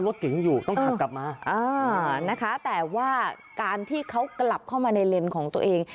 รถเก๋งอยู่ต้องขับกลับมาอ่านะคะแต่ว่าการที่เขากลับเข้ามาในเลนส์ของตัวเอง